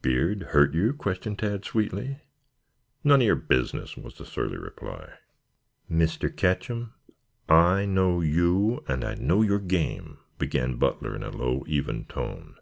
"Beard hurt you?" questioned Tad sweetly. "None of yer business!" was the surly reply. "Mr. Ketcham, I know you and I know your game," began Butler in a low, even tone.